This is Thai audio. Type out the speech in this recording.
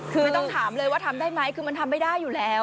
คือต้องถามเลยว่าทำได้ไหมคือมันทำไม่ได้อยู่แล้ว